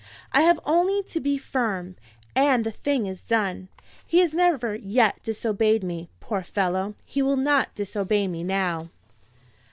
I have only to be firm, and the thing is done. He has never yet disobeyed me, poor fellow. He will not disobey me now.